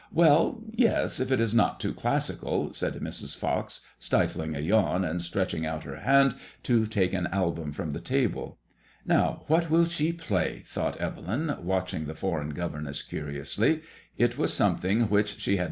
" Well, yes ; if it is not too classical," said Mrs. Fox, stifling a yawn and stretching out her hand to take an album from the table. " Now, what will she play ?" thought Evelyn, watching the foreign governess curiously. It was something which she had MADBMOISBLLX IXE.